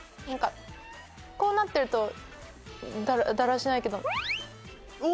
こうなってるとだらしない。